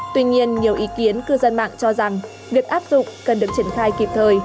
tuy nhiên nhiều ý kiến cư dân mạng cho rằng việc áp dụng cần được triển khai kịp thời